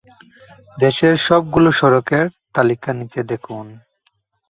দেশের সবগুলো সড়কের তালিকা নিচে দেখুন